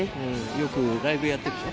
よくライブやってるでしょ。